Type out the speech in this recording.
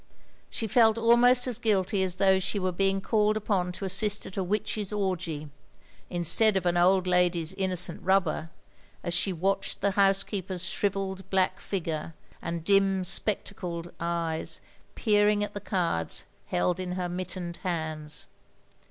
She felt almost as guilty as though she were being called upon to assist at a witch's orgy, instead of an old lady's innocent rubber, as she watched the housekeeper's shrivelled black figure, and dim spectacled eyes, peering at the cards held in her mittened hands.